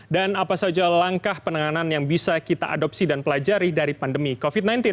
dan apa saja langkah penanganan yang bisa kita adopsi dan pelajari dari pandemi covid sembilan belas